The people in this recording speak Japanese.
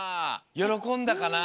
よろこんだかな？